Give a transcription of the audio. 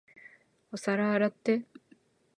お皿洗って。